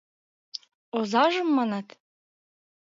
— Озажым, манат?